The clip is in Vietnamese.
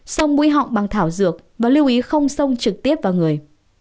sông mũi họng bằng thảo dược và lưu ý không sông trực tiếp vào người